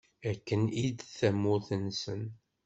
Akken i d tamurt-nsen.